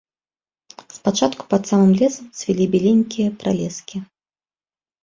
Спачатку пад самым лесам цвілі беленькія пралескі.